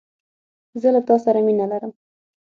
زه له تاسره مينه لرم